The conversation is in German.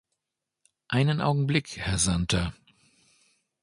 Einen Augenblick, Herr Santer.